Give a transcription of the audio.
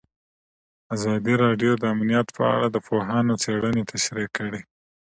ازادي راډیو د امنیت په اړه د پوهانو څېړنې تشریح کړې.